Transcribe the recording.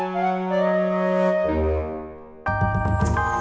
tidak ada yang tahu